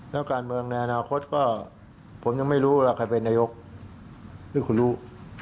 แล้วการเมืองในอนาคตก็ผมยังไม่รู้ว่าใครเป็นนายกหรือคุณรู้